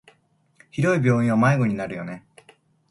広い病院は迷子になるよね。